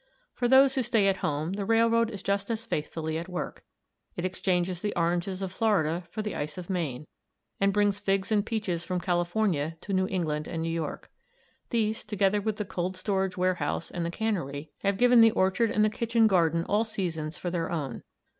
For those who stay at home the railroad is just as faithfully at work. It exchanges the oranges of Florida for the ice of Maine, and brings figs and peaches from California to New England and New York. These, together with the cold storage warehouse and the cannery, have given the orchard and the kitchen garden all seasons for their own.